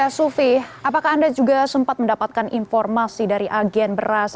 sufi apakah anda juga sempat mendapatkan informasi dari agen beras